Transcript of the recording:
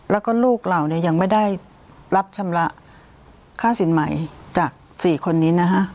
แล้วก็ลูกเราเนี่ยยังไม่ได้รับชำระค่าสินใหม่จาก๔คนนี้นะฮะ